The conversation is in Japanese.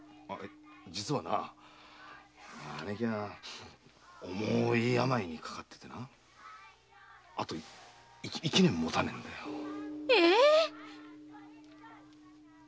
実はな姉貴は重い病にかかっててなあと一年もたねえんだよ。え？